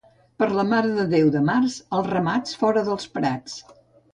Per la Mare de Déu de març els ramats fora dels prats.